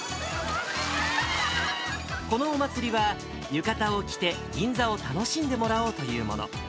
このお祭りは、浴衣を着て、銀座を楽しんでもらおうというもの。